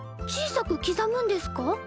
小さく刻むんですか？